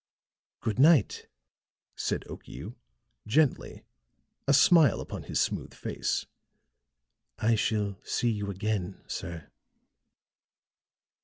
"Good night," said Okiu, gently, a smile upon his smooth face. "I shall see you again, sir."